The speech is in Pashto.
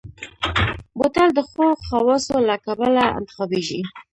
بوتل د ښو خواصو له کبله انتخابېږي.